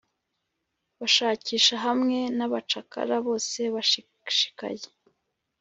bashakisha hamwe nabacakara bose bashishikaye